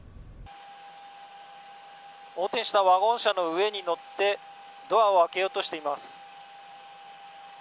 横転したワゴン車の上に乗ってドアを開けようとしています。